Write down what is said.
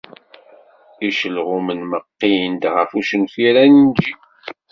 Icelɣumen meqqin-d ɣef ucenfir anǧi.